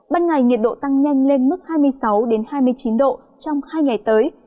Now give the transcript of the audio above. ban ngày nhiệt độ tăng nhanh lên mức hai mươi sáu hai mươi chín độ trong hai ngày tới